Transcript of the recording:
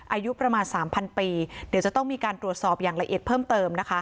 อายุประมาณ๓๐๐ปีเดี๋ยวจะต้องมีการตรวจสอบอย่างละเอียดเพิ่มเติมนะคะ